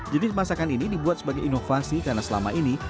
jenis masakan ini dibuat sebagai inovasi karena selama ini